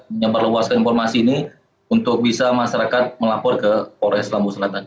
menyebarluaskan informasi ini untuk bisa masyarakat melapor ke polres lampu selatan